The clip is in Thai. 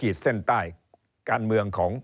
เริ่มตั้งแต่หาเสียงสมัครลง